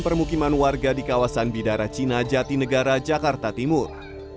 permukiman warga di kawasan bidara cina jatinegara jakarta timur